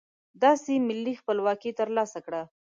داسې ملي خپلواکي ترلاسه کړه.